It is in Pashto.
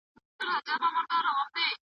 چي غوايي غوښو ته وکتل حیران سو